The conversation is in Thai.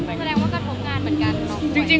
แสดงว่ากระทบงานเหมือนกัน